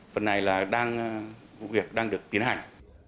phần này là vụ việc đang được tiến hành